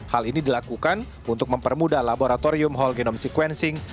hal ini dilakukan untuk mempermudah laboratorium whole genome sequencing